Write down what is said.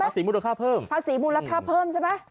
ภาษีมูลรักษาเพิ่มภาษีมูลรักษาเพิ่มใช่ไหม